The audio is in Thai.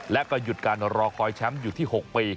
และก็หยุดการรอคอยแชมป์อยู่ที่๖ปี